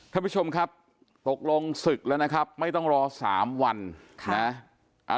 ท่านผู้ชมครับตกลงศึกแล้วนะครับไม่ต้องรอสามวันนะ